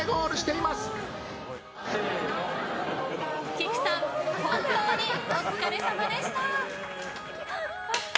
きくさん、本当にお疲れさまでした！